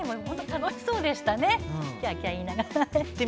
楽しそうでしたね。